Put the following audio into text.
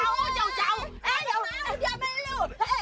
lalu dia jalan enggak ayo nih